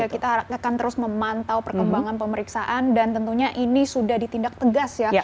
kita akan terus memantau perkembangan pemeriksaan dan tentunya ini sudah ditindak tegas ya